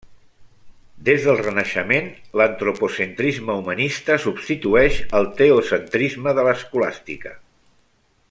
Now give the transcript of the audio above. Des del Renaixement, l'antropocentrisme humanista substitueix el teocentrisme de l'escolàstica.